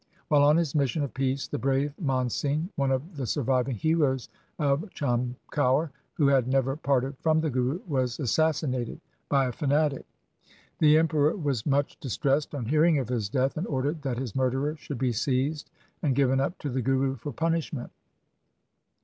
While on his mission of peace the brave Man Singh, one of the surviving heroes of Cham kaur, who had never parted from the Guru, was assassinated by a fanatic. The Emperor was much distressed on hearing of his death, and ordered that his murderer should be seized and given up to the Guru for punishment.